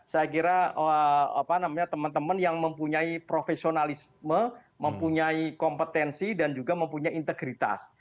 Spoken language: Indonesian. saya kira teman teman yang mempunyai profesionalisme mempunyai kompetensi dan juga mempunyai integritas